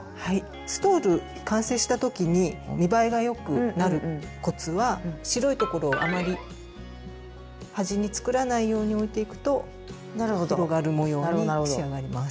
ストール完成した時に見栄えがよくなるコツは白いところをあまり端に作らないように置いていくと広がる模様に仕上がります。